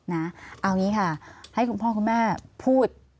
เอาอย่างนี้ค่ะให้คุณพ่อคุณแม่พูด